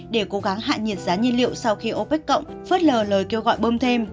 để cố gắng hạ nhiệt giá nhiên liệu sau khi opec cộng phớt lờ lời kêu gọi bơm thêm